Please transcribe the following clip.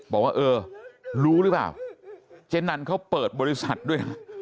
บอกว่าเออรู้หรือเปล่าเจ๊นันเขาเปิดบริษัทด้วยนะ